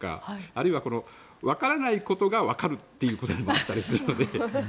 あるいはわからないことがわかるということになったりするので。